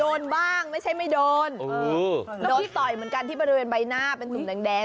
โธนบ้างไม่ใช่ไม่โธนโธนต่อยเหมือนกันที่เป็นผึ้งใบหน้าคลุมแดง